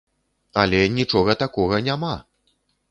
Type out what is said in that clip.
Але нічога такога няма!